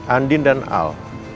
andin dan al